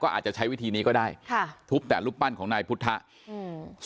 ก็อาจจะใช้วิธีนี้ก็ได้ทุบแต่รูปปั้นของนายพุทธศาสตร์